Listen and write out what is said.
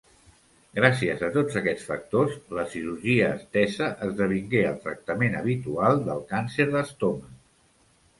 Gràcies a tots aquests factors, la cirurgia estesa esdevingué el tractament habitual del càncer d'estómac.